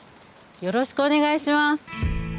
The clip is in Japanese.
よろしくお願いします。